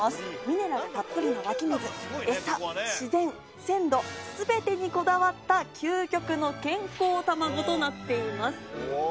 ミネラルたっぷりの湧き水餌自然鮮度全てにこだわった究極の健康卵となっています。